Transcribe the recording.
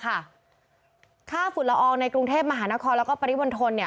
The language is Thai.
ข้าวฝุ่นละอองในกรุงเทพฯมหานครและปริวนธน